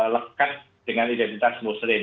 dekat dengan identitas muslim